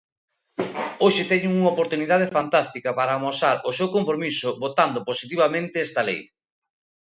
Hoxe teñen unha oportunidade fantástica para amosar o seu compromiso votando positivamente esta lei.